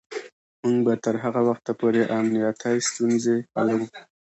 موږ به تر هغه وخته پورې امنیتی ستونزې حلوو.